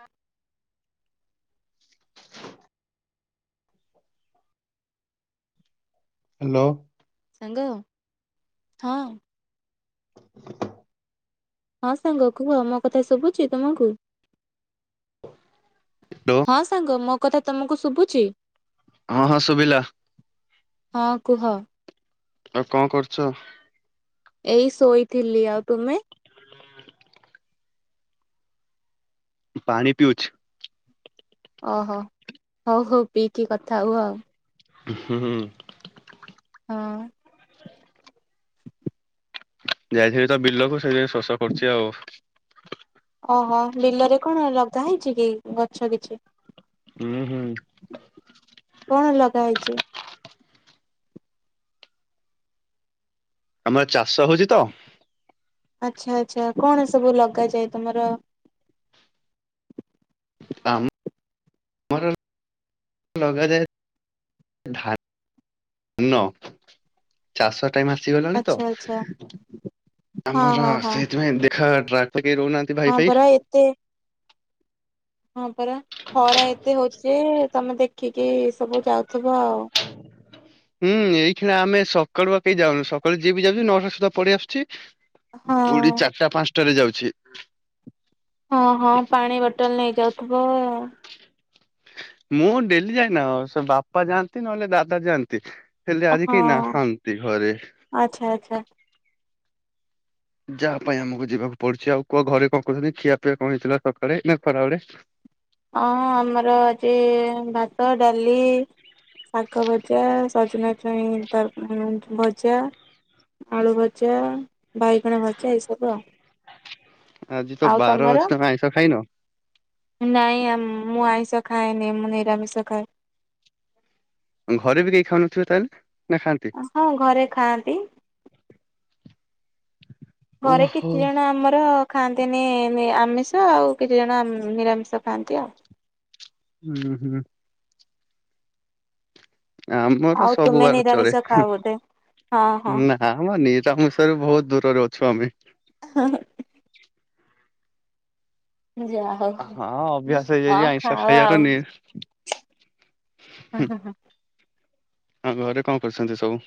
ହଁ। ହ୍ୟାଲୋ ସାଙ୍ଗ ହଁ। ହଁ ସାଙ୍ଗ କୁହ ମୋ କଥା ଶୁଭୁଛି ତୁମକୁ? ହ୍ୟାଲୋ ହଁ ସାଙ୍ଗ ମୋ କଥା ତମକୁ ଶୁଭୁଛିି। ହଁ ହଁ ଶୁଭିଲା। ହଁ କୁହ। ଆଉ କଣ କରୁଛ। ଏଇ ଶୋଇଥିଲି ଆଉ ତୁମେ? ପାଣି ପିଉଛି। ଓହୋ ହଉ ହଉ ପିଇକି କଥା ହଉ ଆଉ। ହୁଁ ହୁ। ହଁ ଯାଇଥିଲି ତ ବିଲକୁ ସେଇଥି ପାଇଁ ଶୋଷ କରୁଛି ଆଉ। ଓହୋ ବିଲରେ କଣ ଲଗା ହେଇଛି କି ଗଛ କିଛି। ହୁଁ ହୁଁ। କଣ ଲଗା ହେଇଛି? ଆମର ଚାଷ ହଉଛି ତ। ଆଛା ଆଚ୍ଛା କଣ ସବୁ ଲଗାଯାଏ ତମର? ଆମ। ଲଗାାଯାଏ ଧାନ ଧାନ ଚାଷ। ଟାଇମ ଆସିଗଲାଣି ତ ଆଚ୍ଛା ଆଚ୍ଛା ହଁ ଆମର ହଁ ହଁ ସେଇଥିପାଇଁ ଦେଖ। କେହି ରହୁନାହାନ୍ତି ଭାଇ ହଁ ଫାଇ। ପରା ଏତେ ହଁ ପରା ଖରା ଏତେ ହଉଛି ଯେ ତମେ ଦେଖିକି ସବୁ ଯାଉଥିବ ଆଉ। ହୁଁ ଏଇକ୍ଷଣି ଆମେ ସକାଳୁ ବା କେହି ଯାଉନୁ ସକାଳୁ ଯିଏ ବି ଯାଉଚି ନଅଟା ସୁଦ୍ଧା ପଳେଇ ଆସୁଛି। ହଁ ପୁଣି ଚାରିଟା ପାଞ୍ଚଟାରେ ଯାଉଛେ। ହଁ ହଁ ପାଣି ବଟଲ ନେଇ ଯାଉଥିବ ଆଉ। ମୁଁ ଡେଲି ଯାଇନା ଆଉ ସେ ବାପା ଯାଆନ୍ତି ନହେଲେ ଦାଦା ଯାଆନ୍ତି। ହେଲେ ଆଜିିକେହି ହଁ ନାହାନ୍ତି ଘରେ। ଆଚ୍ଛା ଆଚ୍ଛା ଯାହା ପାଇଁ ଆମକୁ ଯିବାକୁ ପଡୁଛି ଆଉ କୁହ ଘରେ କଣ କହୁଛନ୍ତି ଖିଆ ପିଇଆ କଣ ହେଇଥିଲା ସକାଳେ ନା ଖରାବେଳେ। ହଁ ଆମର ଆଜି ଭାତ ଡାଲି। ଶାଗ ଭଜା ସଜନା ଛୁଇଁ ତରକାରୀ। ଭଜା ଆଳୁ ଭଜା ବାଇଗଣ ଭଜା ଏଇସବୁ ଆ। ଆଜି ତ ବାର ଅଛି ତମେ ଆଇଁଷ ଖାଇନ। ନାଇଁ ମୁଁ ଆଇଁଷ ଖାଏନି ମୁଁ ନିରାମିଷ ଖାଏ। ଘରେ ବି କେହି ଖାଉନଥିବେ ତାହେଲେ। ନା ଖାଆନ୍ତି? ହଁ ଘରେ ଖାଆନ୍ତି। ଘରେ ଓହୋ। କିଛି ଜଣ ଆମର। ଖାଆନ୍ତିନି ଆମିଷ ଆଉ କିଛି ଜଣ ନିରାମିଷ ଖାଆନ୍ତି ଆଉ। ହୁଁ ହୁଁ। ଆମର ତ ଆଉ ସବୁ ତୁମେ ବାର ଚଳେ। ନିରାମିଷ ଖାଅ ବୋଧେ ହଁ ହଁ ନା ମ ନିରାମିଶର ବହୁତ ଦୂରରେ ଅଛୁ ଆମେ। ହଁ। ଯାହା ହଁ ହଉ ଅଭ୍ୟାସ ହଁ ହେଇଯାଇଛି ଆଇଁଷ ଖାଅ ଖାଇବାର ଆଉ। ନି ହଁ ହଁ ହଁ। ହଁ ଘରେ କଣ କରୁଛନ୍ତି ସବୁ?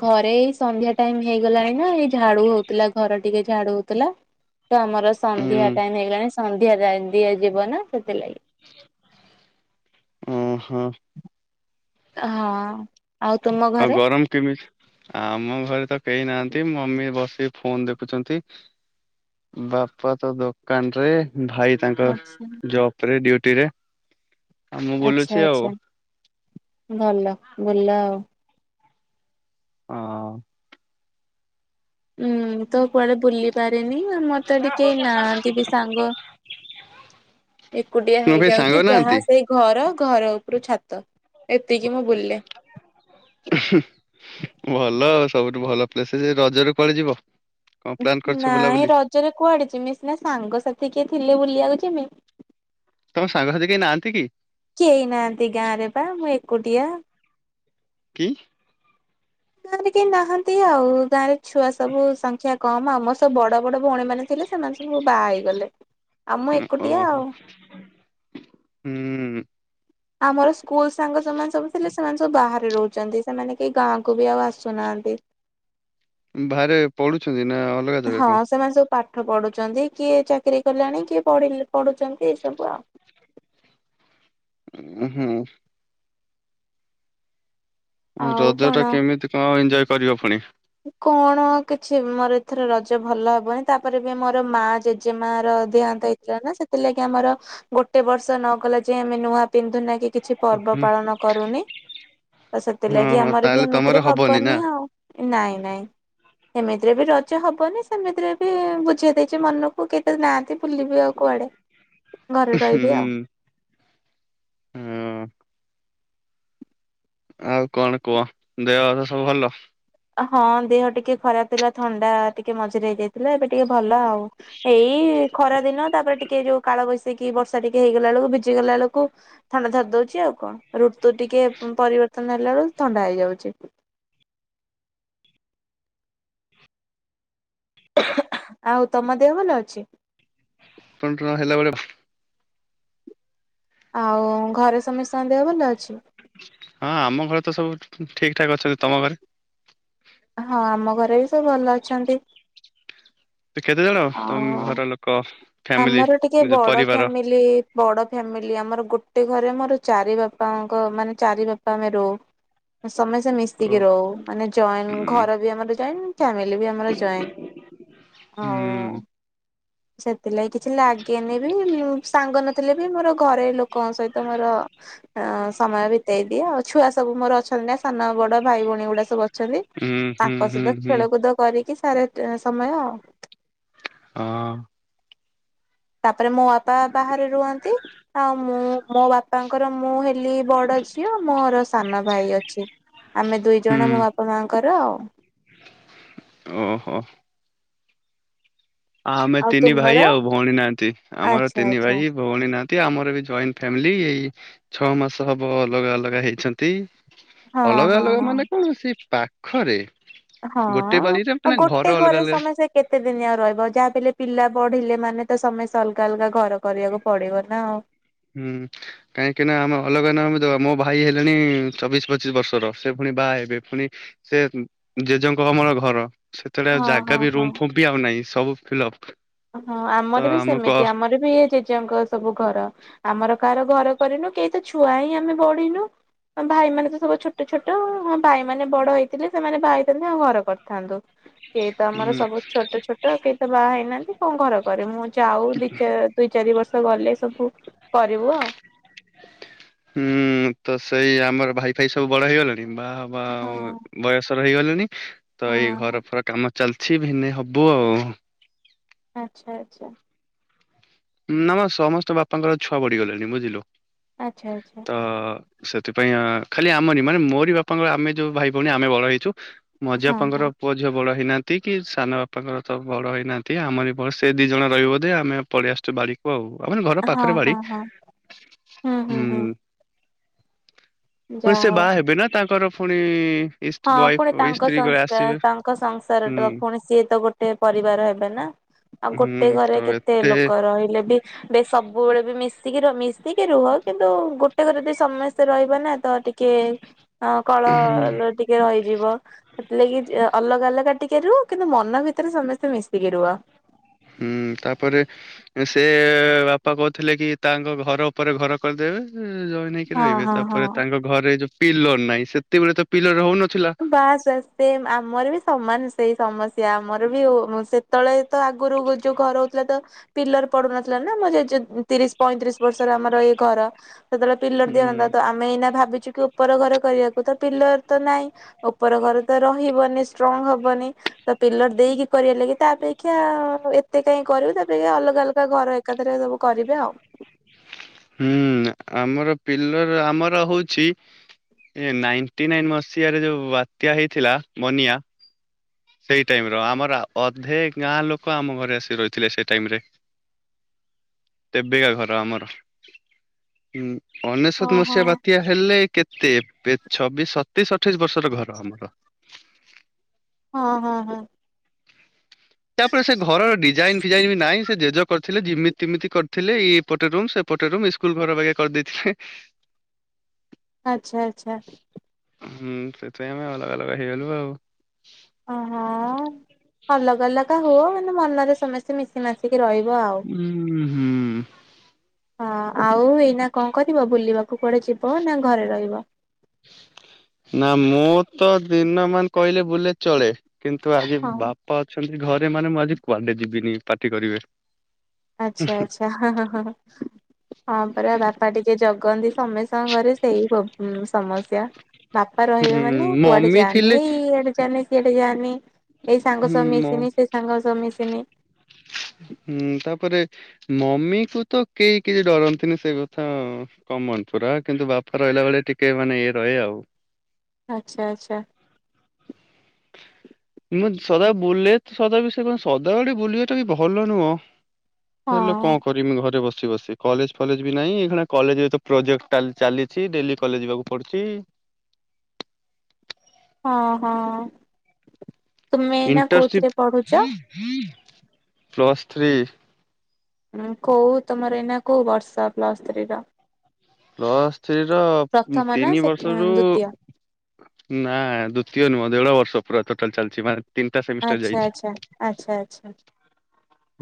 ଘରେ ଏଇ ସନ୍ଧ୍ୟା ଟାଇମ ହେଇଗଲାଣି ନା ଏଇ ଝାଡୁ ହଉଥିଲା ଘର ଟିକେ ଝାଡୁ ହଉଥିଲା। ଆମର ଉଁ ସନ୍ଧ୍ୟା ଟାଇମ ହେଇଗଲାଣି ସନ୍ଧ୍ୟା ଯାଇନି। ଦିଆଯିବ ନା ସେଥିଲାଗି। ଓହୋ। ହଁ। ଆଉ ତୁମ ଆଉ ଘରେ? ଗରମ କେମିତି? ଆମ ଘରେ ତ କେହି ନାହାନ୍ତି ମମି ବସିକ ଫୋନ ଦେଖୁଛନ୍ତି। ବାପା ତ ଦୋକାନ ରେ। ଭାଇ ତାଙ୍କ ଆଚ୍ଛା ଜବ ରେ ଡୁଟି ରେ ଆଉ ମୁଁ ବୁଲୁଛି ଆଉ। ଆଚ୍ଛା ଭଲ ବୁଲ ଆଉ। ହଁ। ହୁଁ ତ କୁଆଡେ ବୁଲି ମତେ ଟିକେ ନାହାନ୍ତି ବି ସାଙ୍ଗ। ଏକୁଟିଆ ମୁଁ କେହି ସାଙ୍ଗ ହେଇଯାଉଛି ଯାହା ନାହାନ୍ତି? ସେଇ ଘର। ଘର ଉପରୁ ଛାତ ଏତିକି ମୁଁ ବୁଲେ। ଭଲ ଆ ସବୁଠୁ ଭଲ ପ୍ଲେସ ରଜରୁ ପଳି ଯିବ। କଣ ପ୍ଲାନ୍ କରିଛ ନାଇଁ ଏ ବୁଲାବୁଲି? ରଜରେ କୁଆଡେଛି ସିନା ସାଙ୍ଗସାଥି କିଏ ଥିଲେ ବୁଲିବାକୁ ଯମ। ତମ ସାଙ୍ଗସାଥି କେହି ନାହାନ୍ତି କି କେହି ନାହାନ୍ତି ଗାଁ ରେ ବା ମୁଁ ଏକୁଟିଆ। କି? ଗାଁରେ କେହି ନାହାନ୍ତି ଆଉ ଗାଁ ରେ ଛୁଆ ସବୁ ସଂଖ୍ୟା କଣ ଆମର ସବୁ ବଡ ବଡ ଭଉଣୀ ମାନେ ଥିଲେ ସେମାନେ ସବୁ ବାହା ହେଇଗଲେ। ଆଉ ମୁଁ ଏକୁଟିଆ ଓହୋ ହୁଁ। ଆଉ। ଆମର ସ୍କୁଲ ସାଙ୍ଗ ଯୋମାନେ ସବୁ ଥିଲେ ସେମାନେ ସବୁ ବାହାରେ ରହୁଛନ୍ତି ସେମାନେ କେହି ଗାଁକୁ ବି ଆଉ ଆସୁନାହାନ୍ତି। [inaudible] ବାହାରେ ପଡୁଛନ୍ତି ନା ଅଲଗା ଦେବେ ହଁ କଣ? ସେମାନେ ସବୁ ପାଠ ପଢୁଛନ୍ତି କିଏ ଚାକିରି କଲାଣି କିଏ ପଢ଼ୁଛନ୍ତି ଏସବୁ ଆଉ। ଉ ହୁଁ। ଆଉ ରଜ କଣ? ଟା କେମିତି କଣ ଏଞ୍ଜୟ କରିବ ଫୁଣି? କଣ କିଛି ମୋର ଏଥର ରଜ ଭଲ ହବନି ତାପରେ ବି ମୋର ମା ଜେଜେମା ର ଦେହାନ୍ତ ହେଇଥିଲା ନା ସେଥିଲାଗି ଆମର ଗୋଟେ ବର୍ଷ ନ ଗଲା ଯେ ଆମେ ନୂଆ ପିନ୍ଧୁ ନା କେ କିଛି ପର୍ବ ହୁଁ ପାଳନ କରୁନି। ତ ହଁ ସେଥିଲାଗି ହଁ ଆମର ବି ତାହେଲେ ତମର ଏମିତିରେ ନା ହବନି ଆଉ। ନାଇଁ ନାଇଁ। ସେମିତିରେ ବି ରଜ ହବନି ସେମିତିରେ ବି ବୁଝେଇଦେଇଛି ମନକୁ କେତେ ନାହାନ୍ତି ବୁଲିବି ଆଉ କୁଆଡେ? [inaudible] ଘରେ ରହିବି ଆଉ। ହୁଁ। ଆଉ କଣ କୁହ, ଦେହ [inaudible] ସବୁ ଭଲ? ହଁ ଦେହ ଟିକେ ଖରାପ ଥିଲା ଥଣ୍ଡା ଟିକେ ମଝିରେ ହେଇଯାଇଥିଲା ଏବେ ଟିକେ ଭଲ ଆଉ। ଏଇ ଖରା ଦିନ ତାପରେ ଟିକେ ଯୋଉ କାଳ ବୈଶାଖି ବର୍ଷା ଟିକେ ହେଇଗଲା ବେଳକୁ ଭିଜିିଗଲା ବେଳକୁ ଥଣ୍ଡା ଧରି ଦଉଛି ଆଉ। ଉ କଣ ଋତୁ ଟିକେ ପରିବର୍ତ୍ତନ ହେଲା ବେଳୁ ଥଣ୍ଡା ହେଇଯାଉଛି। ଆଉ ତମ ଦେହ ଭଲ ଅଛି? ତଣ [inaudible] ହେଲା ବେଳେ ଆଉ ଘରେ ସମସ୍ତଙ୍କ ଦେହ ଭଲ ଅଛି? ହଁ ଆମ ଘରେ ତ ସବୁ ଠିକ ଠାକ ଅଛନ୍ତି ତମ ଘରେ? ହଁ ଆମ ଘରେ ବି ସବୁ ଭଲ ଅଛନ୍ତି। କେତେ ଜଣ ଆଉ ତମ ଘର ଲୋକ? ଫ୍ୟାମିଲି ଆମର ଟିକେ ନିଜ ବଡ଼ ପରିବାର? ଫ୍ୟାମିଲି ବଡ଼ ଫ୍ୟାମିଲି ଆମର ଗୋଟେ ଘରେ ମୋର ଚାରି ବାପାଙ୍କ ମାନେ ଚାରି ବାପା ଆମେ ରହୁ। ସମସ୍ତେ ଓ ମିଶିକି ରହୁ ମାନେ ଜଏଣ୍ଟ ହୁଁ ଘର ବି ଆମର ଜଏଣ୍ଟ ଫ୍ୟାମିଲି ବି ଆମର ଜଏଣ୍ଟ୍। ହୁଁ ହଁ। ସେଥିଲାଗି କିଛି ଲାଗେନି ବି ସାଙ୍ଗ ନଥିଲେ ବି ମୋର ଘରେ ଲୋ କଣ ସହିତ ମୋର ଅ ସମୟ ବିତେଇ ଦିଏ ଆଉ ଛୁଆ ସବୁ ମୋର ଅଛନ୍ତି ନା ସାନ ବଡ଼ ଭାଇ ଭଉଣୀ ଗୁଡ଼ା ସବୁ ଅଛନ୍ତି ହୁଁ ହୁଁ ତାଙ୍କ ହୁଁ ସହିତ ହୁଁ ଖେଳକୁଦ କରିକି ସାରେ ସମୟ। ହଁ। ତାପରେ ମୋ ବାପା ବାହାରେ ରୁହନ୍ତି‌। ଆଉ ମୁଁ ମୋ ବାପାଙ୍କର ମୁଁ ହେଲି ବଡ଼ ଝିଅ ମୋର ସାନ ଭାଇ ଅଛି। ଆମେ ଦୁଇ ଜଣ ହୁଁ ମୋ ବାପା ମାଆଙ୍କର ଆଉ। ଓହୋ। ଆମେ ଆଉ ତିନି ଭାଇ ତୁମର? ଆଉ ଭଉଣୀ ନାହାନ୍ତି ଆମର ଆଚ୍ଛା ତିନି ଆଚ୍ଛା ଭାଇ ଭଉଣୀ ନାହାନ୍ତି। ଆମର ବି ଜଏଣ୍ଟ ଫ୍ୟାମିଲି ଏଇ ଛଅ ମାସ ହବ ଅଲଗା ଅଲଗା ହେଇଛନ୍ତି। ହଁ ଅଲଗା ହଁ ଅଲଗା ହଁ ମାନେ କଣ ସେ ପାଖରେ। ହଁ ଗୋଟେ ପାଳିରେ ଆଉ ମାନେ ଘର ଗୋଟେ ଅଲଗା ଘରେ ଅଲଗା ସମସ୍ତେ କେତେ ଦିନି ଆଉ ରହିବ? ଯାହାବି ହେଲେ ପିଲା ପଢିଲେ ମାନେ ତ ସମସ୍ତେ ଅଲଗା ଅଲଗା ଘର କରିବାକୁ ପଡ଼ିବ ନା ଆଉ। ହୁଁ କାହିଁକିନା ଆମେ ଅଲଗା ନ ସବୁ ତ ମୋ ଭାଇ ହେଲେଣି ଚବିଶି ପଚିଶି ବର୍ଷର ସେ ପୁଣି ବାହା ହେବେ ପୁଣି ସେ ଜେଜେଙ୍କ ଅମଳ ଘର ସେତେବେଳେ ଆଉ ହଁ ଜାଗା ହଁ ବି ହଁ। ରୁମ୍ ଫୁମ୍ ବି ଆଉ ନାହିଁ ସବୁ ଫିଲପ୍। ହଁ ଆମର ବି ସେମିତି ଆମର ବି ଇଏ ଜେଜେଙ୍କ ସବୁ ଘର। ଆମର କାହାର ଘର କରିନୁ କେହି ତ ଛୁଆ ହିଁ ଆମେ ବଢି଼ନୁ। ହଁ ଭାଇମାନେ ତ ସବୁ ଛୋଟ ଛୋଟ ହଁ ଭାଇମାନେ ବଡ଼ ହେଇଥିଲେ ସେମାନେ ବାହା ହେଇଥାନ୍ତା ଆଉ ଘର କରିଥାନ୍ତୁ। କେହି ତ ଆମର ହୁଁ ସବୁ ଛୋଟ ଛୋଟ କେହି ତ ବାହା ହେଇନାହା କଣ ଘର କରେ ମୁଁ ଯାଉ ଦି ଦୁଇ ଚାରି ବର୍ଷ ଗଲେ ସବୁ କରିବୁ ଆଉ। ହୁଁ ତ ସେଇ ଆମର ଭାଇ ଫାଇ ସବୁ ବଡ଼ ହେଇଗଲେଣି ବାହା ହେବା ହଁ ବୟସ ରହିଗଲେଣି ତ ଏଇ ହଁ। ଘର ଫର କାମ ଚାଲିଛି ଭିନେ ହବୁ ଆଉ। ଆଚ୍ଛା ଆଚ୍ଛା। ନା ମ ସମସ୍ତ ବାପାଙ୍କର ଛୁଆ ବଢି଼ଗଲେଣି ବୁଝିଲୁ ଆଚ୍ଛା ଆଚ୍ଛା ତ ସେଥିପାଇଁ ଖାଲି ଆମର ମାନେ ମୋରି ବାପାଙ୍କର ଆମେ ଯୋଉ ଭାଇ ଭଉଣୀ ଆମେ ବଡ଼ ହେଇଛୁ। ମଜିଆ ହଁ ବାପାଙ୍କର ହଁ ପୁଅ ଝିଅ ବଡ଼ ହେଇନାହାନ୍ତି। ତି କି ସାନ ବାପାଙ୍କର ତ ବଡ଼ ହେଇନାହାନ୍ତି ଆମର [unintelligible] ସେ ଦି ଜଣ ରହିବେ ବୋଧେ ଆମେ ପଲେଇଆସୁ। ବାଡ଼ି କୁ ଆଉ ଆମ ଘର ହଁ ପାଖରେ ବାଡ଼ି ହଁ ହଁ ହୁଁ। ପୁଣି ଯାହା ସେ ହଉ। ବାହା ହେବେ ନା ତାଙ୍କର ପୁଣି ଇଷ୍ଟ ହଁ ୱାଇଫ ପୁଣି ତାଙ୍କ ସ୍ତ୍ରୀ ସଂସ୍କାର ଆସିବେ। ତାଙ୍କ ସଂସାର ହୁଁ ତ ପୁଣି ସିଏ ତ ଗୋଟେ ପରିବାର ହେବେ ନା। ଆଉ ହୁଁ ଗୋଟେ ତ ଘରେ କେତେ ଏତେ ଲୋକ ରହିଲେ ବି ସବୁବେଳେ ବି ମିଶ ମିଶିକି ମିଶିକି ରୁହ କିନ୍ତୁ ଗୋଟେ ଘର ଯଦି ସମସ୍ତେ ରହିବ ନା ତ ଟିକେ ଅଁ କଳ ଟି ହେଇଯିବ ସେଥିଲାଗି ଅଲଗା ଅଲଗା ଟିକେ ରୁହ କିନ୍ତୁ ମନ ଭିତରେ ସମସ୍ତେ ମିଶିକି ରୁହ। ହୁଁ ତାପରେ ସେ ବାପା କହୁଥିଲେ କି ତାଙ୍କ ଘର ଉପରେ ଘର କରିଦେବେ। [unintelligible] ନେଇକି ହଁ ରହିବେ ହଁ ହଁ। ତାପରେ ତାଙ୍କ ଘରେ ଯୋଉ ପିଲର ନାହିଁ ସେତେବେଳେ ତ ପିଲର ରହୁନ ବାସ୍ ବାସ୍ ସେମ୍ ଆମର ବି ସମାନ ସେଇ ସମ ଆମର ବି ସେତେବେଳେ ତ ଆଗରୁ ଯୋଉ ଘର ହଉଥିଲା ତ ପିଲର ପଡୁ଼ନଥିଲା ନା ମ ଜେଜେ ତିରିଶି ପଇଁତିରିଶି ବର୍ଷର ଆମର ଏଇ ଘର। ସେତେବେଳେ ପିଲର ହୁଁ ଦିଅନ୍ତା ତ ଆମେ ଏଇନା ଭାବିଛୁ କି ଉପର ଘର କରିବାକୁ ତ ପିଲର ତ ନାଇଁ। ଉପର ଘର ତ ରହିବନି ଷ୍ଟ୍ରଙ୍ଗ୍ ହବନି ତ ପିଲର ଦେଇକି କରିବା ଲାଗି ତା ଅପେକ୍ଷା ଏତେ କାଇଁ କରିବୁ ତାପରେ ଅଲଗା ଅଲଗା ଘର ଏକାଥରେ ସବୁ କରିବେ ଆଉ। ହୁଁ ଆମର ପିଲର ଆମର ହଉଛି। ଏ ନାଇଟିନାଇନ ମସିହାରେ ଯୋଉ ବାତ୍ୟା ହେଇଥିଲା ବନିଆ ସେଇ ଟାଇମର ଆମର ଅଧେ ଗାଁଲୋକ ଆମ ଘରେ ଆସି ରହିଥିଲେ ସେଇ ଟାଇମରେ ତେବେକା ଘର ଆମର। ହଁ ଅନେଶତ ଓହୋ। ମସିହା ବାତ୍ୟା ହେଲେ କେତେ ଛବିଶ ତେଇଶ ଅଠେଇଶ ବର୍ଷର ଘର ଆମର। ହଁ ହଁ ହଁ। ତାପରେ ସେ ଘରର ଡିଜାଇନ ଫିଜାଇନ ବି ନହିଁ ସେ ଜେଜକ କରିଥିଲେ ଯେମିତିମିତି କରିଥିଲେ ଏଇ ଏପଟେ ରୁମ ସେପଟେ ରୁମ ସ୍କୁଲଘର ବାଗେ କରିଦେଇଥିଲେ। [inaudible] ଆଚ୍ଛା ଆଚ୍ଛା ହୁଁ ସେଥିପାଇଁ ଆମେ ଅଲଗା ଅଲଗା ହେଇଗଲୁ ଆଉ। ଅହୋ ଅଲଗା ଅଲଗା ହୁଅ ମାନେ ମନରେ ସମସ୍ତେ କି ମିଶିମାଶିକି ରହିବ ଆଉ। ଉଁ ହୁଁ। ହଁ ଆଉ ଏଇନା କଣ କରିବ ବୁଲିବାକୁ କୁଆଡ଼େ ଯିବ ନା ଘରେ ରହିବ? [inaudible] ନା ମୁଁ ତ ଦିନ ମାନ କହିଲେ ବୁଲେ ଚଳେ। କିନ୍ତୁ ଆଜି ହଁ। ବାପା ଅଛନ୍ତି ଘରେ ମାନେ ମୁଁ ଆଜି କୁଆଡେ ଯିବିନି ପାଟି କରିବେ। ଆଚ୍ଛା ଆଚ୍ଛା ହଁ ହଁ ହଁ। ହଁ ପରା ବାପା ଟିକେ ଜଗନ୍ତି ସମେସ୍ତଙ୍କ ଘରେ ସେଇ ସମସ୍ୟା। ବାପା ହୁଁ ରହିବେ ମାନେ କୁଆଡେ ମମି ଯାନି ଥିଲେ ଏଇ ଇଆଡେ ଯାନି ସିଆଡେ ଯାନି। ଏଇ ସାଙ୍ଗ ହୁଁ ସହବୁ ମ ମିଶନି ସେ ସାଙ୍ଗ ସହ ମିଶନି। ହଁ ହୁଁ ତାପରେ ମମିକୁ ତ କେହି କିଛି ଡରନ୍ତିନି ସେ କଥା କମନ ପୁରା। କିନ୍ତୁ ବାପା ରହିଲାବେଳେ ଟିକେ ମାନେ ଇଏ ରହେ ଆଉ। ଆଚ୍ଛା ଆଚ୍ଛା। ମୁଁ ସଦା ବୁଲେ ସଦା ବିଷୟରେ ସଦାବେଳେେ ବୁଲିବାଟା ବି ଭଲ ନୁହଁ। ହେଲେ ହଁ। କଣ କରମି ଘରେ ବସି ବସି ବସି କଲେଜ ଫଲେଜ ବି ନାହିଁ ଏଖିନା କଲେଜରେ ତପ୍ରୋଜେକ୍ଟ ଚାଲିଛି ଡେଲି କଲେଜ ଯିବାକୁ ପଡୁଛି। [inaudible] ହଁ ହଁ, ତୁମେ ଏଇନା ଇଣ୍ଟରସିପ କୋଉଥିରେ ପଢୁଛ? Plus three. କୋଉ ତମର ଏଇନା କୋଉ ବର୍ଷ ପ୍ଲୁସ ଥ୍ରୀର? ପ୍ଲସ୍ ଥ୍ରୀର ନା ତିନି ସେକେ ବର୍ଷରୁ ଦ୍ଵିତୀୟ? ନା ଦ୍ଵିତୀୟ ନୁହଁ ଦେଢ ବର୍ଷ ପୁରା ଟୋଟାଲ ଚାଲିଛି ମାନେ। ତିନିଟା ସେମିଷ୍ଟାର ଆଚ୍ଛା ଯାଇଛି। ଆଚ୍ଛା ଆଛା ଆଛା।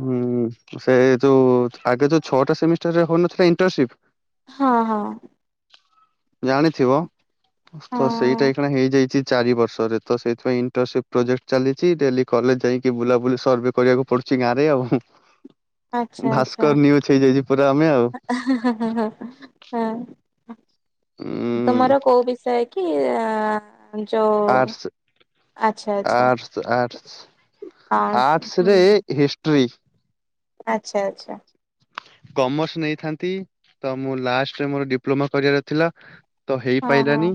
ହୁଁ ସେ ଯୋଉ ଆଗ ଯୋଉ ଛଅଟା ସେମିଷ୍ଟାର ରେ ହଉନଥିଲା ଇଣ୍ଟରସିପ୍। ହଁ ହଁ। ଜାଣିଥିବ ତ ସେଇଟା ହଁ ଇକ୍ଷିଣା ହେଇଯାଇଛି। ଚାରି ବର୍ଷରେ ତ ସେଥିପଁ ଇଣ୍ଟର୍ନସିପ୍ ପ୍ରୋଜେକ୍ଟ ଚାଲିଛି ଡେଲି କଲେଜ ଯାଇକି ବୁଲାବୁଲି ସର୍ଭେ କରିବାକୁ ପଡୁଛି। ଗାଁରେ ଆଉ ଆଚ୍ଛା ଆଚ୍ଛା ଭାସ୍କର ନ୍ୟୁଜ ହେଇଯାଇଛି ପୁରା ଆମେ ଆଉ। ହଁ ଉଁ ତୁମର କୋଉ ବିଷୟ କି ଆ ଯଉ ଆର୍ଟସ ଆଛା ଆଛା। ଆର୍ଟସ ଆର୍ଟସ ହ ଆର୍ଟସ ହୁଁ ରେ ହ। ହିଷ୍ଟ୍ରି ଆଛା ଆଛା। କମର୍ସ ନେଇଥାନ୍ତି ତ ମୁଁ ଲାଷ୍ଟରେ ମୋର ଡିପ୍ଲୋମା କରିବାର ଥିଲା। ତ ହଁ ହଁ ହେଇପାରଲାନି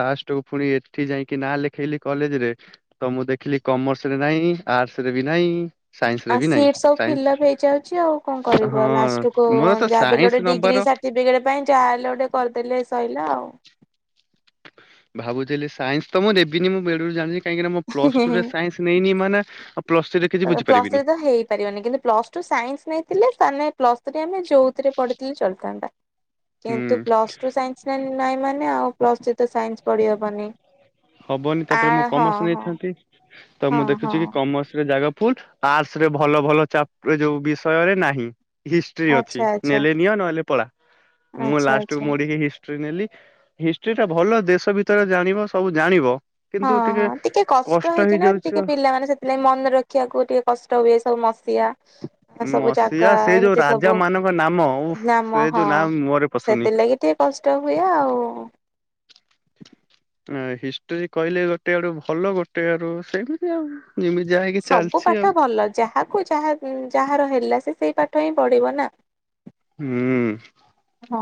ଲାଷ୍ଟକୁ ପୁଣି ଏଠି ଯାଇକି ନାଁ ଲେଖେଇଲି କଲେଜରେ ତ ମୁଁ ଦେଖିଲି କମେର୍ସରେ ନାହିଁ ଆର୍ଟ୍ସରେ ବି ନାହିଁ। ସାଇନ୍ସ ରେ ଆଉ ବି ନାହିଁ ସିଟ‌୍ ସବୁ ସାଇନ୍ସ ଫିଲ୍ଅପ ହେଇଯାଉଛି ଆଉ କଣ। କରିବ, ହଁ ଲାଷ୍ଟ କୁ ମୋର ତ ଯାହା ବୋଲେ ସାଇନ୍ସ ଗୋଟେ ନମ୍ବର ଡିଗ୍ରୀ ସାର୍ଟିଫିକେଟ ପାଇଁ ଯାହାହଲେ ଗୋଟେ କରିଦେଲେ ସରିଲା ଭାବୁଥିଲି ସାଇନ୍ସ ତ ମୁଁ ଦେବିନି, ମୁଁ ବେଳୁରୁ ଜାଣିଛି କାହିଁକିନା ମୁଁ ପ୍ଲସ ଟୁ ରେ ସାଇନ୍ସ ନେଇନି ମାନେ ପ୍ଲସ ଥ୍ରୀରେ କିଛି ପ୍ଲସ ଥ୍ରୀ ବୁଝିପାରିବିନି ରେ ତ ହେଇପାରିବନି କିନ୍ତୁ ପ୍ଲସ ଟୁ ସାଇନ୍ସ ନେଇଥିଲେ ମାନେ ପ୍ଲସଟୁ ରେ ଆମେ ଯଉଥିରେ ପଢିଥିଲି ଚଲିଥାନ୍ତା। କିନ୍ତୁ ହୁଁ ପ୍ଲସଟୁ ରୁ ସାଇନ୍ସ ନାଇଁ ମାନେ ଆଉ ପ୍ଲସଥ୍ରୀ ରେ ତ ସାଇନ୍ସ ପଢିହବନି। ହବନି, ଆ ତାପରେ ମୁଁ ହଁ କମର୍ସ ହଁ ନେଇଥାନ୍ତି ତ ହଁ ମୁଁ ହଁ ଦେଖୁଛି କି କମର୍ସ ରେ ଜାଗା ଲ ଆର୍ଟସ ରେ ଭଲ ଭଲ ଚା ପ ଯୋଉ ବିଷୟରେ ନାହିଁ। ହିଷ୍ଟ୍ରି ଅଛି, ଆଚ୍ଛା ଆଚ୍ଛା ନେଲେ ନିଅ ନହେଲେ ପଳା, ମୁଁ ଆଚ୍ଛା ଲାଷ୍ଟକୁ ଆଚ୍ଛା। ମୋର ହିଁ ହିଷ୍ଟ୍ରି ନେଲି, ହିଷ୍ଟ୍ରି ଟା ଭଲ ଦେଶ ଭିତରେ ଜାଣିବ ସବୁ ଜାଣିବ। ହଁ, ହଁ, ଟିକେ କଷ୍ଟ ହେଇଛି ନା ଟିକେ ପିଲାମାନେ ସେଥିଲାଗି ମନେ ରଖିବାକୁ ଟିକେ କଷ୍ଟ ହୁଏ, ସବୁ ମସିଆ ହ [inaudible] ମସିଆ ସେ ଯୋଉ ରାଜା ସବୁ ମାନଙ୍କ ନାମ ଓଃ, ନାମ ସେ ଯୋଉ ନାମ ମୋ ମୁହରେ ପଶୁନି ନଷ୍ଟ ହୁଏ ଆଉ ହିଷ୍ଟ୍ରି କହିଲେ ଗୋଟେ ଆଡୁ ଭଲ, ଗୋଟେ ଆଡୁ ସେମିତି ଆଉ ଯେମିତି ଯାହାକି ସବୁ ଚାଲିଛି ଆଉ ପାଠ ଭଲ, ଯାହାକୁ ଯାହା ଯାହାର ହେଲା ସେ ସେଇ ପାଠ ହଁ ପଡିବ ନା ହୁଁ ହଁ।